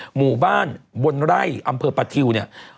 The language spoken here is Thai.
หมู่บ้านบนไร่อำเภอประทิวเนี่ย